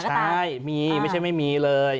ใช่มีไม่ใช่ไม่มีเลย